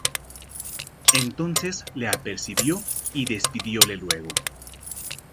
Entonces le apercibió, y despidióle luego,